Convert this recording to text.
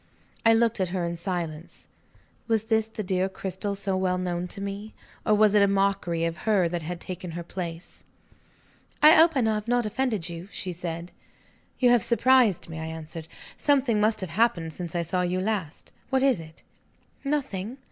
I looked at her in silence. Was this the dear Cristel so well known to me? Or was it a mockery of her that had taken her place? "I hope I have not offended you?" she said. "You have surprised me," I answered. "Something must have happened, since I saw you last. What is it?" "Nothing."